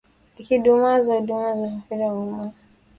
ikidumaza huduma za usafiri wa umma